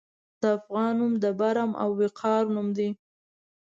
د افغان نوم د برم او وقار نوم دی.